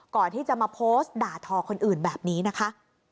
ก่อนที่จะมาโพสต์ด่าทอคนอื่นแบบนี้นะคะ